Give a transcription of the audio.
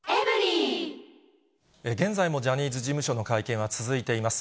現在のジャニーズ事務所の会見は続いています。